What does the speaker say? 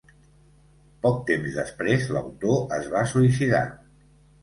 Poc temps després, l'autor es va suïcidar.